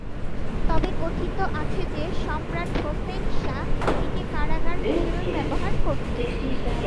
তবে কথিত আছে যে সম্রাট হুসেন শাহ এটিকে কারাগার হিসেবে ব্যবহার করতেন।